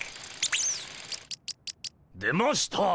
出ました！